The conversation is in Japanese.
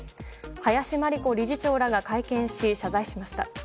林真理子理事長らが会見し謝罪しました。